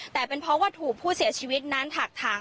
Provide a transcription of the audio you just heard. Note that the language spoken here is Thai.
แต่เป็นเพราะว่าถูกผู้เสียชีวิตนั้นถักถัง